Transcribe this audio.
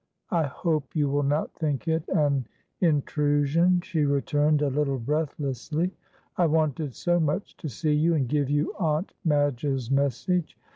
"I hope you will not think it an intrusion," she returned, a little breathlessly. "I wanted so much to see you and give you Aunt Madge's message.